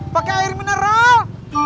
pakai air mineral